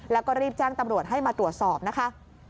แล้วก็รีบแจ้งตำรวจให้มาตรวจสอบนะคะ